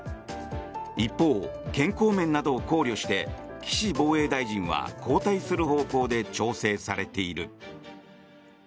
一方、健康面などを考慮して岸防衛大臣は交代する方向で調整されている。